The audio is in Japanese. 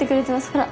ほら。